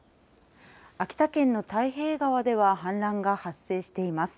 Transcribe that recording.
秋田県の太平川では氾濫が発生しています。